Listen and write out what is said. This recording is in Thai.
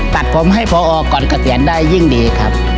ตัดผมให้พอก่อนเกษียณได้ยิ่งดีครับ